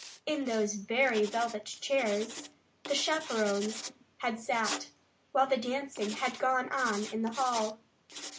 In those very velvet chairs the chaperons had sat while the dancing had gone on in the hall.